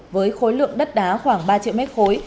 với khối lượng đất đá khoảng ba triệu mét khối